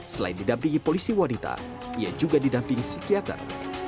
selain didampingi polisi wanita ia juga didampingi psikiater